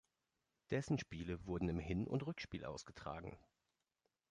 Dessen Spiele wurden in Hin- und Rückspiel ausgetragen.